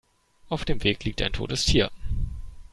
Auf dem Weg liegt ein totes Tier.